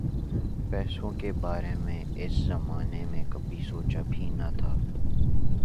پیسوں کے بارے میں اس زمانے میں کبھی سوچا بھی نہ تھا۔